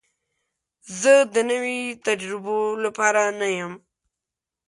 زه د نوي تجربو لپاره نه یم.